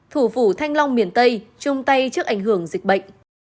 thủ phủ thanh long miền tây chung tay trước ảnh hưởng dịch bệnh